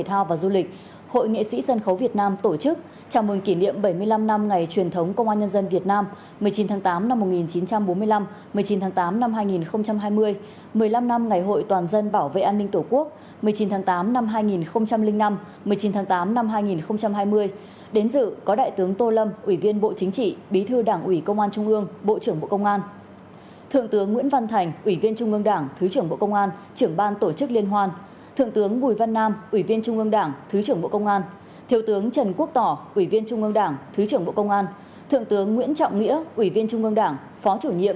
một mươi chín tháng tám năm hai nghìn hai mươi một mươi năm năm ngày hội toàn dân bảo vệ an ninh tổ quốc một mươi chín tháng tám năm hai nghìn năm một mươi chín tháng tám năm hai nghìn hai mươi đến dự có đại tướng tô lâm ủy viên bộ chính trị bí thư đảng ủy công an trung ương bộ trưởng bộ công an thượng tướng nguyễn văn thành ủy viên trung ương đảng thứ trưởng bộ công an trưởng ban tổ chức liên hoan thượng tướng bùi văn nam ủy viên trung ương đảng thứ trưởng bộ công an thiều tướng trần quốc tỏ ủy viên trung ương đảng thứ trưởng bộ công an thượng tướng nguyễn trọng nghĩa